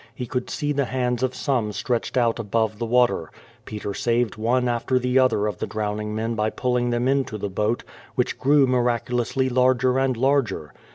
He could see the hands of some stretched out above the water. Peter saved one after the other of the drowning men by pulling them into the boat, which grew miraculously larger and larger.